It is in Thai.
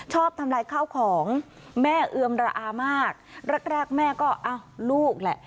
ทำลายข้าวของแม่เอือมระอามากแรกแรกแม่ก็อ้าวลูกแหละ